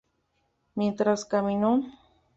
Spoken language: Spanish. Mientras Camino